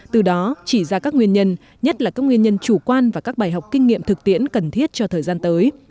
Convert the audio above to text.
từ đó chỉ ra các nguyên nhân nhất là các nguyên nhân chủ quan và các bài học kinh nghiệm thực tiễn cần thiết cho thời gian tới